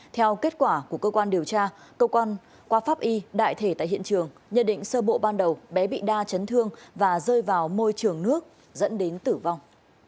theo kết quả của cơ quan điều tra cơ quan qua pháp y đại thể tại hiện trường nhận định sơ bộ ban đầu bé bị đa chấn thương và rơi vào môi trường nước dẫn đến tử vong